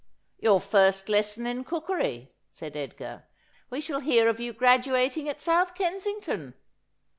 ' Your first lesson in cookery,' said Edgar. ' We shall hear of you graduating at South Kensington.'